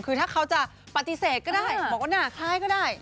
คือถ้าเขาจะปฏิเสธก็ได้บอกว่าหน้าคล้ายก็ได้